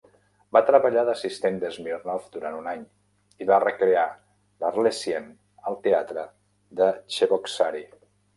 Va treballar d'assistent de Smirnov durant un any i va recrear "L'Arlésienne" al teatre de Cheboksary.